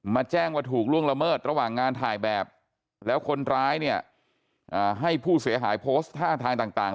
แจ้งว่าถูกล่วงละเมิดระหว่างงานถ่ายแบบแล้วคนร้ายเนี่ยให้ผู้เสียหายโพสต์ท่าทางต่าง